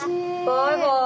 バイバーイ。